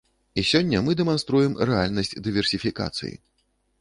І сёння мы дэманструем рэальнасць дыверсіфікацыі.